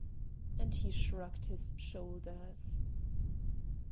and he shrugged his shoulders.